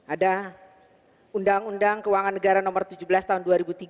ada undang undang keuangan negara nomor tujuh belas tahun dua ribu tiga